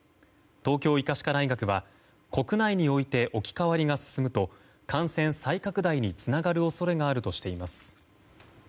東京医科歯科大学は国内において置き換わりが進むと感染再拡大につながる恐れがあるとしています。